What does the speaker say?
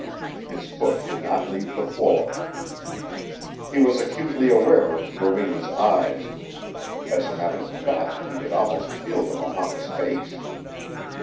His foot did not leave the floor. He was acutely aware of Rowena's eyes. As a matter of fact, he could almost feel them upon his face.